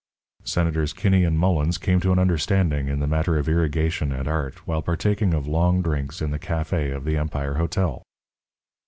Senators Kinney and Mullens came to an understanding in the matter of irrigation and art while partaking of long drinks in the café of the Empire Hotel.